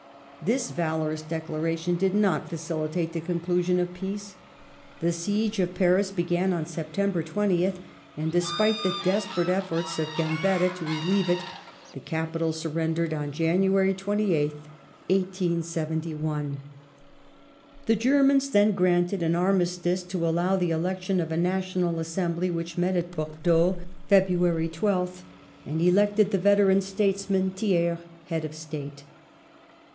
This valorous declaration did not facilitate the conclusion of peace. The siege of Paris began on September 20th and, despite the desperate efforts of Gambetta to relieve it, the capital surrendered on January 28th, 1871. The Germans then granted an armistice to allow the election of a National Assembly which met at Bordeaux (Feb. 12th) and elected the veteran statesman, Thiers, head of the State.